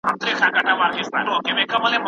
ورنه هېر کړه، چې د لر دي که د بره